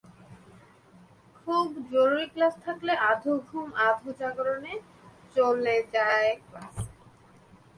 খুব জরুরি ক্লাস থাকলে আধো ঘুম আধো জাগরণে চলে যায় ক্লাসে।